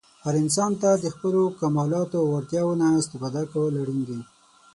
هر انسان ته د خپلو کمالاتو او وړتیاوو نه استفاده کول اړین دي.